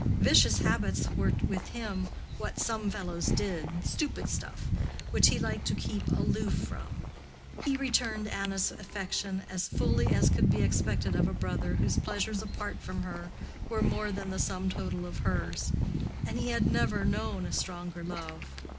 Vicious habits were with him "what some fellows did"—"stupid stuff" which he liked to keep aloof from. He returned Anna's affection as fully as could be expected of a brother whose pleasures apart from her were more than the sum total of hers; and he had never known a stronger love.